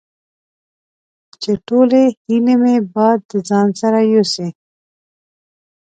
چې ټولې هیلې مې باد د ځان سره یوسي